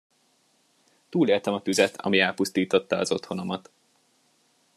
Túléltem a tüzet, ami elpusztította az otthonomat.